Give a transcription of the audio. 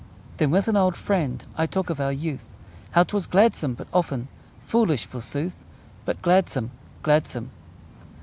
Then with an old friend I talk of our youth How 'twas gladsome, but often Foolish, forsooth: But gladsome, gladsome!